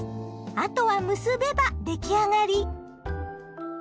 あとは結べば出来上がり。